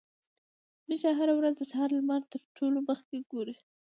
ميښه هره ورځ د سهار لمر تر ټولو مخکې ګوري.